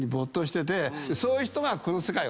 そういう人がこの世界つくった。